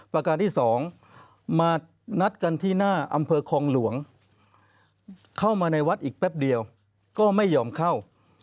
ประการที่๒มานัดกันที่หน้าอำเภอคลองหลวงเข้ามาในวัดอีกแป๊บเดียวก็ไม่ยอมเข้า